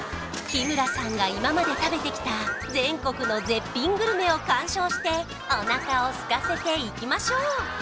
日村さんが今まで食べてきた全国の絶品グルメを鑑賞してお腹をすかせていきましょう！